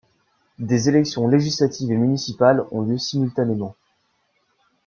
Des élections législatives et municipales ont lieu simultanément.